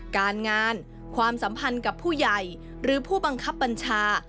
การงานความสัมพันธ์กับผู้ใหญ่หรือผู้บังคับบัญชา